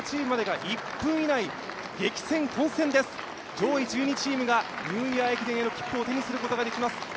上位１２チームがニューイヤー駅伝の切符を手にすることができます。